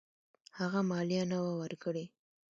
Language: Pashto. هغه مالیه نه وه ورکړې.